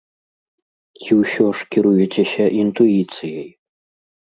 Ці ўсё ж кіруецеся інтуіцыяй?